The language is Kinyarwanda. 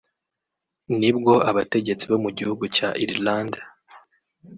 nibwo abategetsi bo mu gihugu cya Irlande